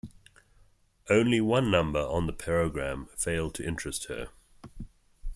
Only one number on the program failed to interest her.